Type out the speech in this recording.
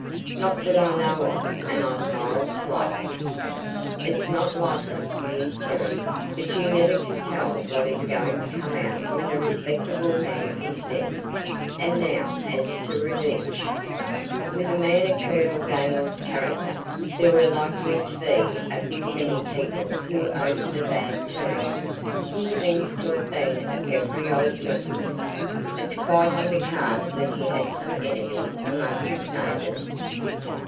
"Not that I know of," and I smiled slightly. "It's not likely," mused Terry, "but you never can tell what is going to come out when a respectable man is dead. And now as to revenge. With a man of Colonel Gaylord's character, there were likely to be a good many people who owed him a bad turn. He seems to have been a peppery old gentleman. It's quite on the cards that he had some enemies among his neighbors?"